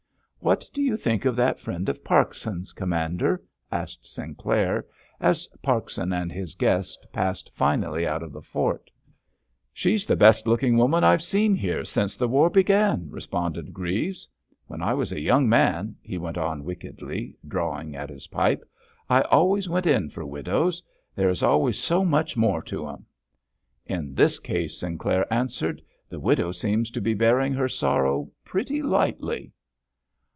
"What do you think of that friend of Parkson's, Commander?" asked Sinclair, as Parkson and his guest passed finally out of the fort. "She's the best looking woman I've seen here since the war began," responded Greaves. "When I was a young man," he went on wickedly, drawing at his pipe, "I always went in for widows. There is always so much more to 'em." "In this case," Sinclair answered, "the widow seems to be bearing her sorrow pretty lightly!"